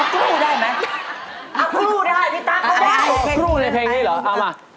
ครูในเพลงนี้เหรอเอามา